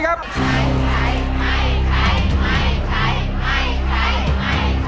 หรือไม่ใช่ครับ